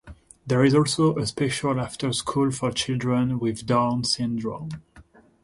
There is also a special after-school for children with Down syndrome.